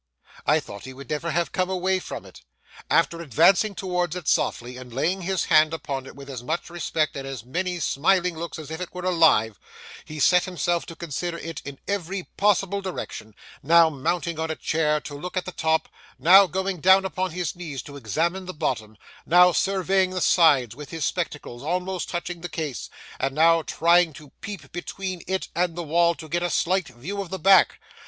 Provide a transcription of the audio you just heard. I thought he would never have come away from it. After advancing towards it softly, and laying his hand upon it with as much respect and as many smiling looks as if it were alive, he set himself to consider it in every possible direction, now mounting on a chair to look at the top, now going down upon his knees to examine the bottom, now surveying the sides with his spectacles almost touching the case, and now trying to peep between it and the wall to get a slight view of the back.